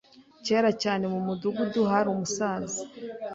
Kera cyane., mu mudugudu hari umusaza .